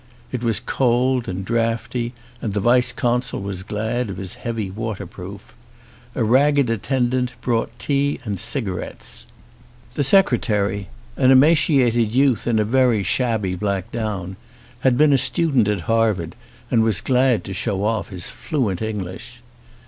It was cold and draughty and the vice consul was glad of his heavy waterproof. A rag ged attendant brought tea and cigarettes. The secretary, an emaciated youth in a very shabby 225 ON A CHINESE SCBEEN black gown, had been a student at Harvard and was glad to show off his fluent English.